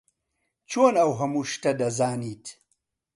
چۆن ئەو هەموو شتە دەزانیت؟